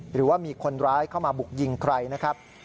หรือว่ามีคนร้ายเข้ามาบุกยิงใครนะครับ